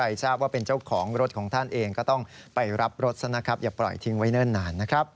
รับรสนะครับอย่าปล่อยทิ้งไว้เนิ่นนานนะครับ